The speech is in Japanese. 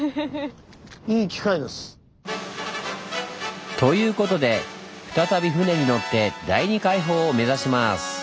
いい機会です。ということで再び船に乗って第二海堡を目指します！